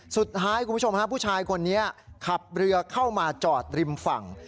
คุณผู้ชมฮะผู้ชายคนนี้ขับเรือเข้ามาจอดริมฝั่ง